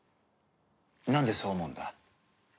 なんでそう思うんだ？